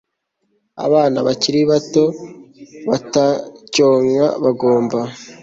abana bakiri bato batacyonka bagomba